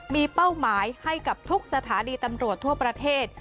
มีเป้าหมายให้กับทุกสถานีตำรวจทั่วประเทศ